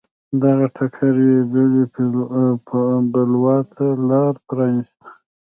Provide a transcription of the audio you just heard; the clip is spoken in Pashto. دغه ټکر یوې بلې بلوا ته لار پرانېسته.